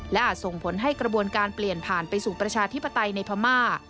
และอาจส่งผลให้กระบวนการเปลี่ยนผ่านไปสู่ประชาธิปไตยในพม่า